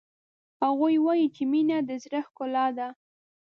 هغوی وایي چې مینه د زړه ښکلا ده